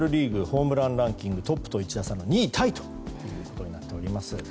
ホームランランキングのトップと１打差の２位タイとなっています。